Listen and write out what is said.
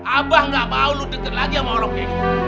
abah gak mau lu deket lagi sama orang kayak gitu